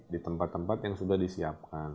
di tempat tempat yang sudah disiapkan